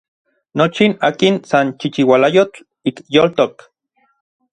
Nochi akin san chichiualayotl ik yoltok.